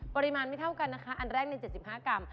ปริมาณไม่เท่ากันนะคะอันแรกเนี่ย๗๕กรัม